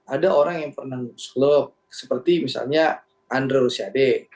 ada orang yang pernah slow seperti misalnya andre rosiade